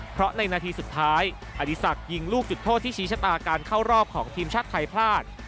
เพราะในนาทีสุดท้ายอดีศักดิ์ยิงลูกจุดโทษที่ชี้ชะตาการเข้ารอบของทีมชาติไทยพลาด